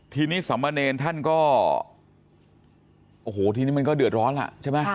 ทีนี้สมเนรท่านก็โอ้โหทีนี้มันก็เดือดร้อนล่ะใช่ไหม